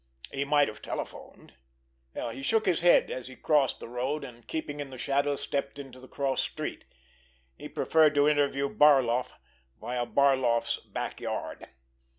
He might have telephoned. He shook his head, as he crossed the road, and, keeping in the shadows, stepped into the cross street. He preferred to interview Barloff via Barloff's back yard.